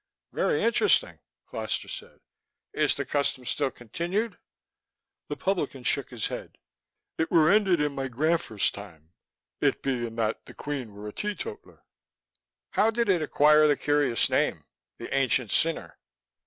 "Very interesting," Foster said. "Is the custom still continued?" The publican shook his head. "It were ended in my granfer's time, it being that the Queen were a teetotaller." "How did it acquire the curious name 'The Ancient Sinner?'"